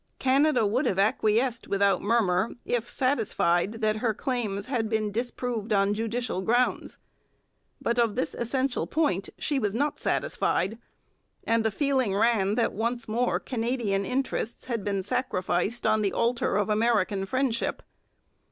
Canada would have acquiesced without murmur if satisfied that her claims had been disproved on judicial grounds. But of this essential point she was not satisfied, and the feeling ran that once more Canadian interests had been sacrificed on the altar of American friendship.